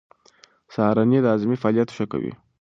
سهارنۍ د هاضمې فعالیت ښه کوي.